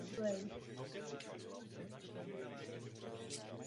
Prapor stál mimo struktury Čečenska.